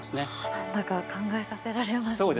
何だか考えさせられますね。